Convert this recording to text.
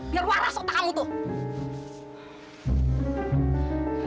biar waras otak kamu tuh